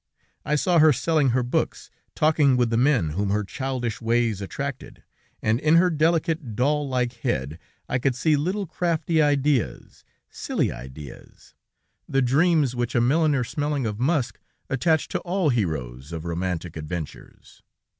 I saw her selling her books, talking with the men whom her childish ways attracted, and in her delicate, doll like head, I could see little crafty ideas, silly ideas, the dreams which a milliner smelling of musk attached to all heroes of romantic adventures.